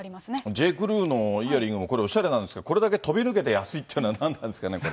Ｊ・クルーのイヤリング、これ、おしゃれなんですがこれだけ飛び抜けて安いというのは何なんですかね。